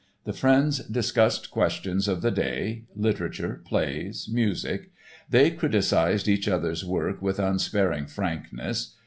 The friends discussed questions of the day, literature, plays, music. They criticized each other's work with unsparing frankness.